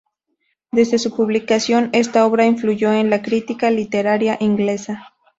Desde su publicación, esta obra influyó en la crítica literaria inglesa.